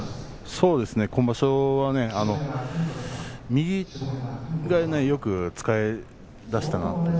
そうですね、今場所は右をよく使いだしたなと。